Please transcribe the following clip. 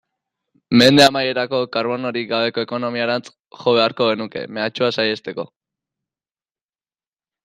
Mende amaierarako karbonorik gabeko ekonomiarantz jo beharko genuke, mehatxua saihesteko.